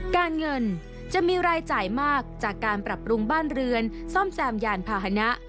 การเงินจะมีรายจ่ายมากจากการปรับปรุงบ้านเรือนซ่อมแซมยานพาหนะ